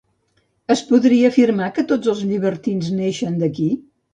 Es podria afirmar que tots els llibertins neixen d'aquí?